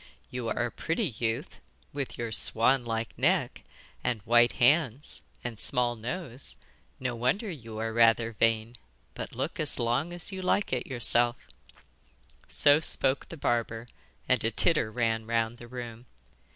'You are a pretty youth, with your swan like neck and white hands and small nose. No wonder you are rather vain; but look as long as you like at yourself.' So spoke the barber, and a titter ran round the room.